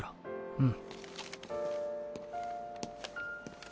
うん。